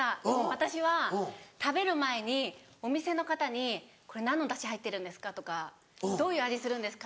私は食べる前にお店の方にこれ何のダシ入ってるんですか？とかどういう味するんですか？